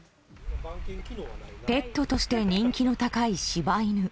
ペットとして人気の高い柴犬。